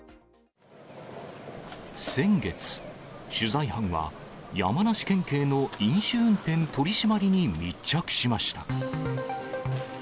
先月、取材班は山梨県警の飲酒運転取締りに密着しました。